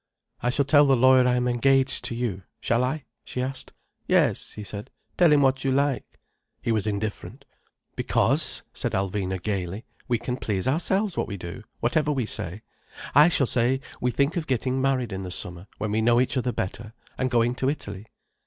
"I shall tell the lawyer I am engaged to you. Shall I?" she asked. "Yes," he said. "Tell him what you like." He was indifferent. "Because," said Alvina gaily, "we can please ourselves what we do, whatever we say. I shall say we think of getting married in the summer, when we know each other better, and going to Italy."